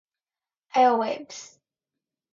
Pale Waves